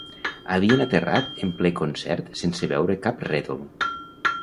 Havien aterrat en ple concert sense veure cap rètol.